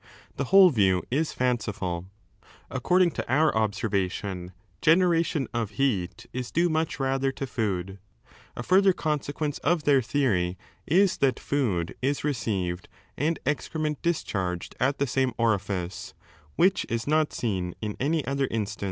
The whole view is fancifuL According to our observation generation of heat is due much rather to food. A further consequence of their theory is that food is received and excrement discharged at the same orifice,^ which is not seen in any other instance.